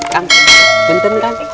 kang tunggu tunggu kang